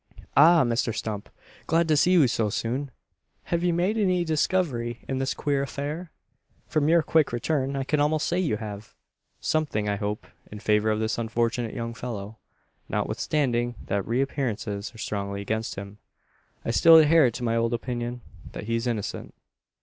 "Ah! Mr Stump! Glad to see you so soon. Have you made any discovery in this queer affair? From your quick return, I can almost say you have. Something, I hope, in favour of this unfortunate young fellow. Notwithstanding that appearances are strongly against him, I still adhere to my old opinion that he's innocent.